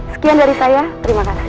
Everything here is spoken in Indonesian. sekian dari saya terima kasih